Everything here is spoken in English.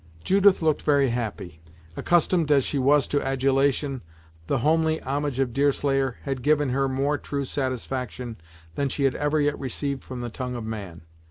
Judith looked very happy. Accustomed as she was to adulation, the homely homage of Deerslayer had given her more true satisfaction, than she had ever yet received from the tongue of man.